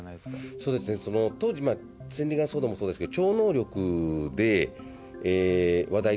そうですね当時千里眼騒動もそうですけど。